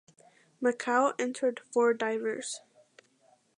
Macau entered four divers.